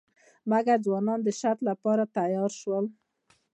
مګر ځوانان د شرط لپاره تیار شول.